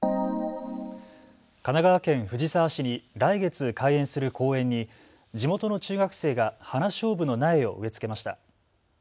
神奈川県藤沢市に来月、開園する公園に地元の中学生がハナショウブの苗を植え付けました。